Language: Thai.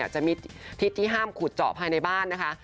จะมีทิศที่ห้ามขุดเจาะภายในบ้านนะคะ